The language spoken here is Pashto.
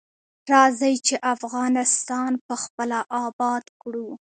راځی چی افغانستان پخپله اباد کړو.